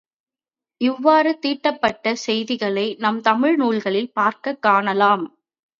இவ்வாறு தீட்டப்பட்ட செய்திகளை நம் தமிழ் நூல்களில் பார்க்கக் காணலாம்.